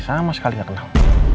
sama sekali gak kenal